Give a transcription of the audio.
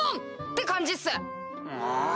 って感じっす。